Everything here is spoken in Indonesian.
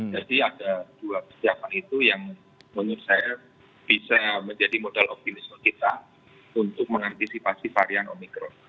jadi ada dua kesiapan itu yang menyukses bisa menjadi modal optimisme kita untuk mengantisipasi varian omikron